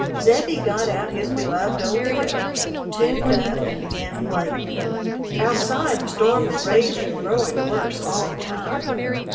Zebbie got out his beloved old fiddle, tuned up, and began playing. Outside the storm was raging, growing worse all the time.